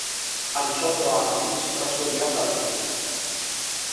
A diciotto anni si trasferì a Parigi.